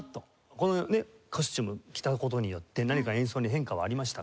このねコスチュームを着た事によって何か演奏に変化はありましたか？